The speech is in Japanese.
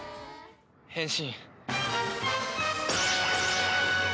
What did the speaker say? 変身。